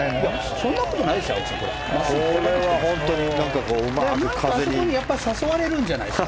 そんなことないですよ。